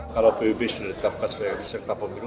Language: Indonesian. kalau pbb sudah ditetapkan sebagai peserta pemilu